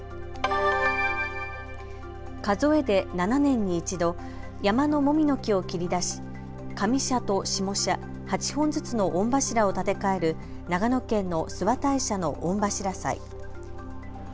数えで７年に１度山のもみの木を切り出し上社と下社８本ずつの御柱を建て替える長野県の諏訪大社の御柱祭。